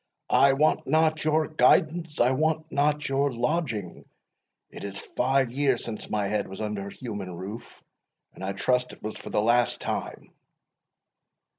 "I want not your guidance I want not your lodging it is five years since my head was under a human roof, and I trust it was for the last time."